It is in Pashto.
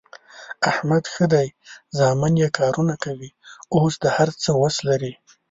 احمد ښه دی زامن یې کارونه کوي، اوس د هر څه وس لري.